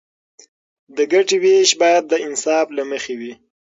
د ګټې ویش باید د انصاف له مخې وي.